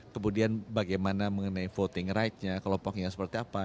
kemudian bagaimana mengenai voting right nya kelompoknya seperti apa